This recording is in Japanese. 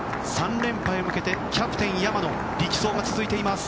３連覇へ向けて、キャプテン山野力走が続いています。